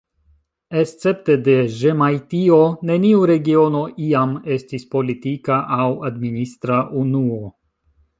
Escepte de Ĵemajtio neniu regiono iam estis politika aŭ administra unuo.